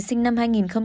sinh năm hai nghìn bảy